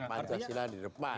pancasila di depan